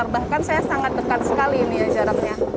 bahkan saya sangat dekat sekali ini ya jaraknya